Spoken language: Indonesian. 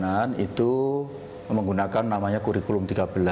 pemenangan itu menggunakan namanya kurikulum tiga belas